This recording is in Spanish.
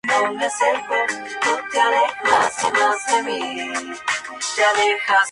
King ha bebido demasiado y maltrata cruelmente a Higinio.